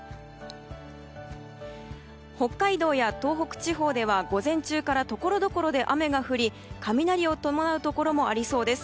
北海道や東北地方では午前中から、ところどころで雨が降り、雷を伴うところもありそうです。